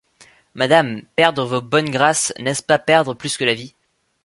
Madame, perdre vos bonnes grâces, n’est-ce pas perdre plus que la vie.